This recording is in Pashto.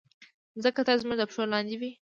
مځکه تل زموږ د پښو لاندې وي.